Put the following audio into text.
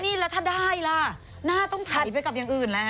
นี่แล้วถ้าได้ล่ะหน้าต้องถ่ายไปกับอย่างอื่นแล้วฮ